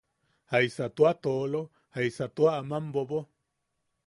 ¿Jaisa tua toolo, jaisa tua aman bobo?